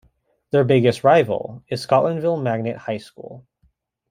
Their biggest rival is Scotlandville Magnet High School.